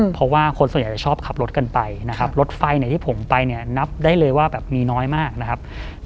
เพราะว่าคนส่วนใหญ่จะชอบขับรถกันไปนะครับ